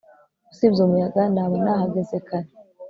usibye umuyaga, naba nahageze kare